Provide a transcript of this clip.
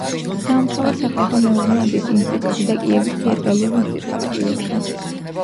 დაამთავრა სახალხო მეურნეობის ინსტიტუტი და კიევის თეატრალური ინსტიტუტი კიევში.